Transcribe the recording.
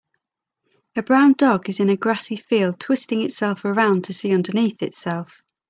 a brown dog is in a grassy field twisting itself around to see underneath itself.